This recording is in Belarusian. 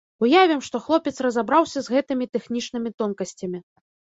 Уявім, што хлопец разабраўся з гэтымі тэхнічнымі тонкасцямі.